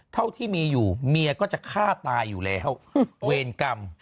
เท่าที่มีอยู่เมียก็จะฆ่าตายอยู่แล้วเวรกรรม